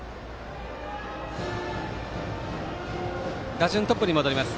打順トップに戻ります。